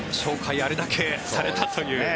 あれだけされたという。